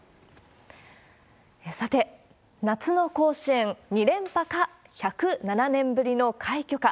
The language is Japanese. さて、夏の甲子園２連覇か、１０７年ぶりの快挙か。